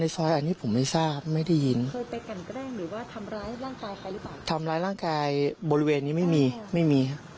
แล้วเขามีประวัติอะไรในซอยที่ปรากฏในเรื่องความรุนแรงนะครับ